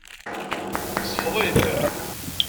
Ṣfeḍ-it.